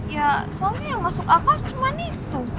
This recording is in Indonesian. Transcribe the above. ya soalnya yang masuk akal cuma nih tuh